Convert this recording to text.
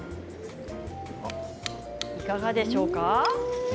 いかがでしょうか。